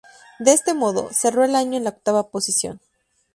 De este modo, cerró el año en la octava posición.